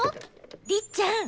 りっちゃん。